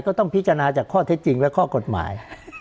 ก็ต้องพิจารณาจากข้อเท็จจริงและข้อกฎหมาย